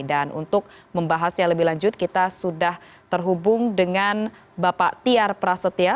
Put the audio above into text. dan untuk membahas yang lebih lanjut kita sudah terhubung dengan bapak tiar prasetya